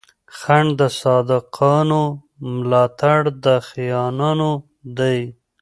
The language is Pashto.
خنډ د صادقانو، ملا تړ د خاينانو دی